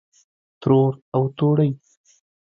ترور او توړۍ